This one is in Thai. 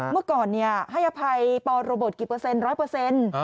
เมื่อก่อนให้อภัยปโรเบิร์ตกี่เปอร์เซ็นร้อยเปอร์เซ็นต์